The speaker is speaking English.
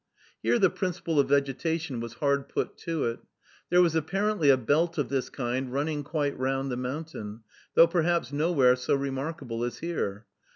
Here the principle of vegetation was hard put to it. There was apparently a belt of this kind running quite round the mountain, though, perhaps, nowhere so remarkable as here.